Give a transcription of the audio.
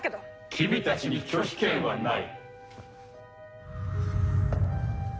君たちに拒否権はない。